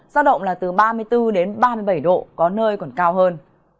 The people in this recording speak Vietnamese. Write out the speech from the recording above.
giao động là từ ba mươi bốn đến ba mươi bảy độ có nơi còn cao hơn